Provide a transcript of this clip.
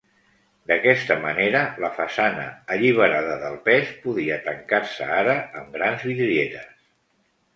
D'aquesta manera la façana, alliberada del pes, podia tancar-se ara amb grans vidrieres.